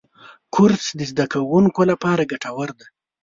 کورس د زدهکوونکو لپاره ګټور دی.